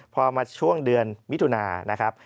พอมาช่วงเดือนมิถุนานะครับ